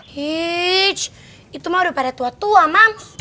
hij itu mah udah pada tua tua mam